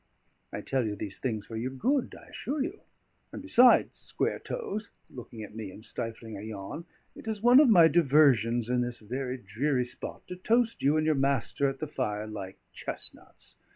I tell you these things for your good, I assure you; and besides, Square toes" (looking at me and stifling a yawn), "it is one of my diversions in this very dreary spot to toast you and your master at the fire like chestnuts.